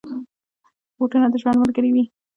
بوټونه د ژوند ملګري وي.